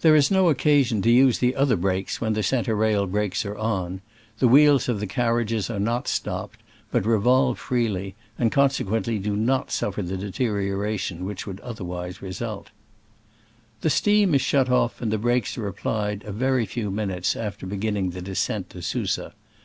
sion to use the other brakes when the centre rail brakes are on : the wheels of the carriages are not stopped, but revolve freely, and consequently do not suffer the deterioration which would otherwise result. The steam is shut off and the brakes are applied a very few minutes after be ginning the descent to Susa.